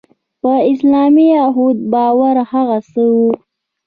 په اسلامي اخوت باور هغه څه وو.